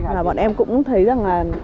mà bọn em cũng thấy rằng là